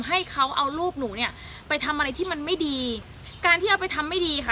ให้เขาเอารูปหนูเนี่ยไปทำอะไรที่มันไม่ดีการที่เอาไปทำไม่ดีค่ะ